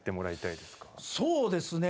そうですね。